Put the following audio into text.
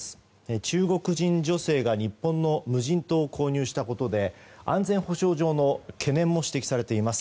中国人女性が日本の無人島を購入したことで安全保障上の懸念も指摘されています。